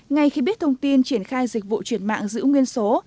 ngay khi biết thông tin triển khai dịch vụ chuyển mạng giữ nguyên số